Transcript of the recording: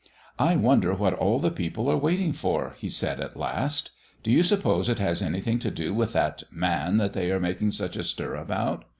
"I wonder what all the people are waiting for?" he said, at last. "Do you suppose it has anything to do with that Man they are making such a stir about?"